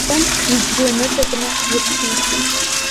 Даашәышәын ибжьы ныҵакны иазҿиҭит.